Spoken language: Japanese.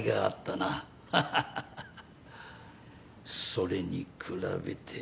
それに比べて。